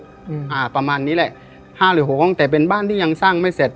อืมอ่าประมาณนี้แหละห้าหรือหกห้องแต่เป็นบ้านที่ยังสร้างไม่เสร็จ